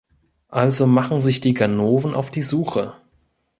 Also machen sich die Ganoven auf die Suche.